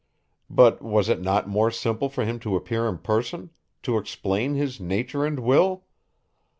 But was it not more simple for him to appear in person, to explain his nature and will?